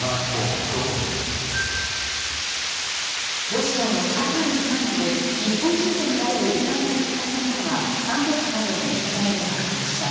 ロシアのサハリン南部で日本人とみられる遺体が見つかったことが関係者などへの取材で分かりました。